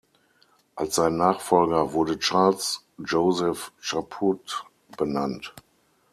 Als sein Nachfolger wurde Charles Joseph Chaput benannt.